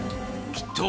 きっと。